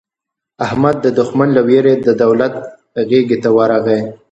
احمد د دوښمن له وېرې د دولت غېږې ته ورغی.